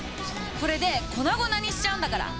これで粉々にしちゃうんだから！